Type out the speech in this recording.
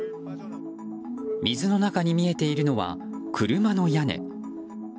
水の中に見えているのは車の屋根。